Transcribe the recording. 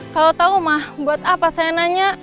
kalo tau mah buat apa saya nanya